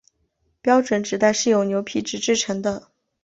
标准纸袋是由牛皮纸制成的。